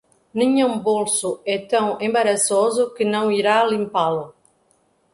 Nenhum bolso é tão embaraçoso que não irá limpá-lo.